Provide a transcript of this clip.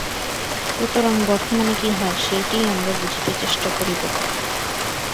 সুতরাং বর্তমানে কি হয়, সেইটিই আমরা বুঝিতে চেষ্টা করিব।